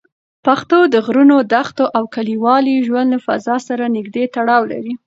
پښتو د غرونو، دښتو او کلیوالي ژوند له فضا سره نږدې تړاو لري.